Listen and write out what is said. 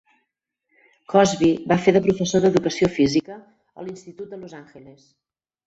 Cosby va fer de professor d'educació física a l'institut de Los Angeles.